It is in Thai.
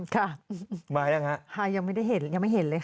ค่ะค่ะยังไม่ได้เห็นยังไม่เห็นเลยครับ